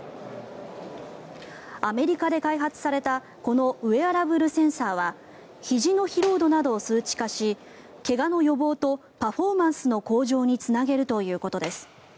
アメリカで開発されたこのウェアラブルセンサーはひじの疲労度などを数値化し怪我の予防とパフォーマンスの向上につなげるということです。